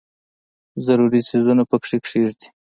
ضروري څیزونه پکې کښېږدي.